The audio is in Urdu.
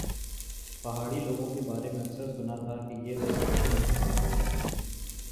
پہاڑی لوگوں کے بارے میں اکثر سنا تھا کہ یہ لوگ اچھے نہیں ہوتے